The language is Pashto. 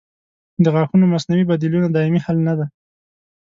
د غاښونو مصنوعي بدیلونه دایمي حل نه دی.